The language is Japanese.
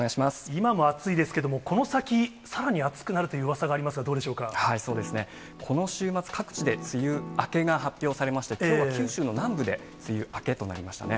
今も暑いですけれども、この先、さらに暑くなるといううわさがありますが、そうですね、この週末、各地で梅雨明けが発表されまして、きょうは九州の南部で梅雨明けとなりましたね。